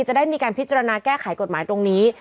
จะได้มีการพิจารณาแก้ไขกฎหมายตรงนี้